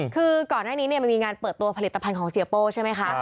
คือก่อนหน้านี้มันมีงานเปิดตัวผลิตภัณฑ์ของเสียโป้ใช่ไหมคะ